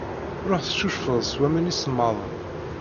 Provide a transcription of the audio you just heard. Ṛuḥ tcucfeḍ s waman isemmaḍen.